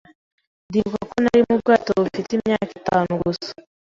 Ndibuka ko nari mu bwato mfite imyaka itanu gusa.